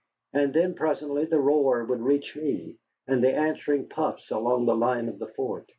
And then presently the roar would reach me, and answering puffs along the line of the fort.